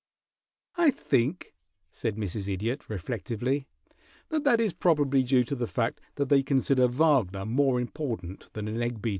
"I think," said Mrs. Idiot, reflectively, "that that is probably due to the fact that they consider Wagner more important than an egg beater."